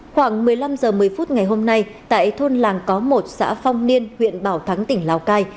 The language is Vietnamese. khoảng một mươi năm h một mươi phút ngày hôm nay tại thôn làng có một xã phong niên huyện bảo thắng tỉnh lào cai